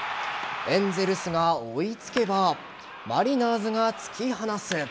エンゼルスが追いつけばマリナーズが突き放す。